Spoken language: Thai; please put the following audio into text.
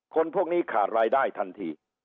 คนพวกนี้ขาดรายได้ทันที